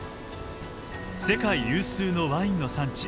世界有数のワインの産地